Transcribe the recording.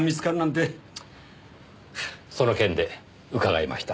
その件で伺いました。